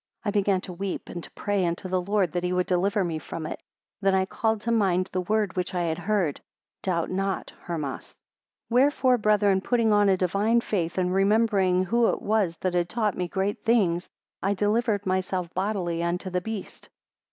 9 I began to weep, and to pray unto the Lord that he would deliver me from it. Then I called to mind the word which I had heard; Doubt not, Hermas. 10 Wherefore, brethren, putting on a divine faith, and remembering who it was that had taught me great things, I delivered myself bodily unto the beast.